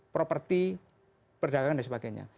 properti perdagangan dan sebagainya